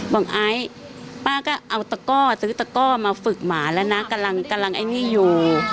ไอ้ป้าก็เอาตะก้อซื้อตะก้อมาฝึกหมาแล้วนะกำลังไอ้นี่อยู่